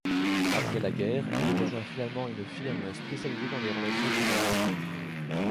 Après la guerre, il rejoint finalement une firme spécialisée dans les relations humaines.